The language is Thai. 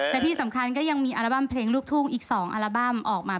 และที่สำคัญก็ยังมีอัลบั้มเพลงลูกทุ่งอีก๒อัลบั้มออกมา